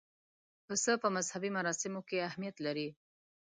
پسه په مذهبي مراسمو کې اهمیت لري.